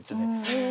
へえ。